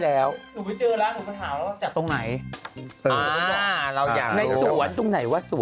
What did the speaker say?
เดี๋ยวฉันก็อ่านอ่านโดมมาให้เจอ